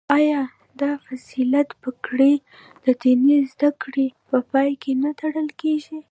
آیا د فضیلت پګړۍ د دیني زده کړو په پای کې نه تړل کیږي؟